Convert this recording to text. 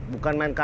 bukan main kasar